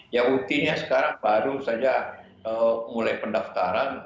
yang utihnya sekarang baru saja mulai pendaftaran